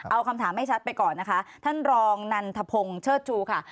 เอาคำถามให้ชัดไปก่อนนะคะท่านรองนันทพงศ์เชิดชูค่ะ